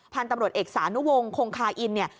พันธุ์ตำรวจเอกสานุวงศ์คงคาอินเนี่ย